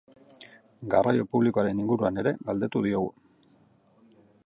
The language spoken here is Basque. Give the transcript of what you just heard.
Garraio publikoaren inguruan ere galdetu diogu.